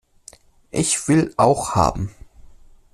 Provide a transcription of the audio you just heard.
Ich will auch haben!